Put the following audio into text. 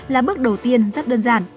là bước đầu tiên rất đơn giản